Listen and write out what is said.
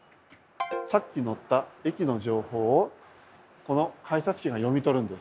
さっき乗った駅の情報をこの改札機が読み取るんです。